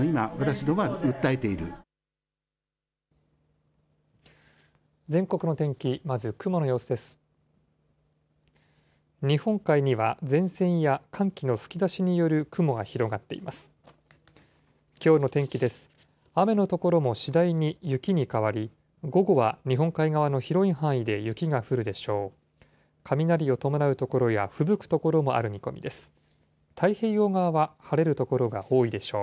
雨の所も次第に雪に変わり、午後は日本海側の広い範囲で雪が降るでしょう。